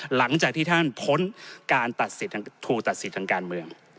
หลังจากที่ท่านพ้นการถูกตัดสิทธิ์ทางการเมือง